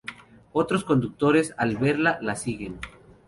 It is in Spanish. Otros conductores, al verla, la siguen.